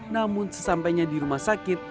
namun sesampainya di rumah sakit